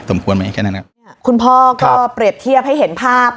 ควรไหมแค่นั้นอ่ะคุณพ่อก็เปรียบเทียบให้เห็นภาพ